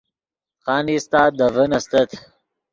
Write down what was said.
خانیستہ دے ڤین استت